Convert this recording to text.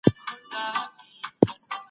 په داسي حالاتو کي صبر کول هم ځان ساتنه ده.